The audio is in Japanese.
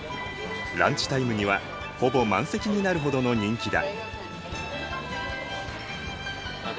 ランチタイムにはほぼ満席になるほどの人気だ。